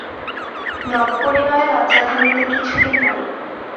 নবপরিণয়ের লজ্জা ভাঙিতে কিছুদিন গেল।